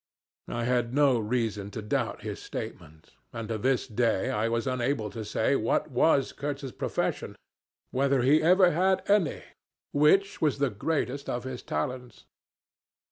I had no reason to doubt his statement; and to this day I am unable to say what was Kurtz's profession, whether he ever had any which was the greatest of his talents.